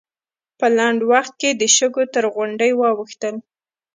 په لنډ وخت کې د شګو تر غونډۍ واوښتل.